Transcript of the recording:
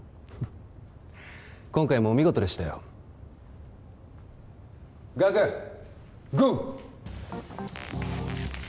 今回もお見事でしたよガクゴー！